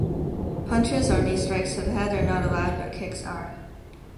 Punches or knee strikes to the head are not allowed but kicks are.